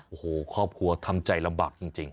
โอ้โหครอบครัวทำใจลำบากจริง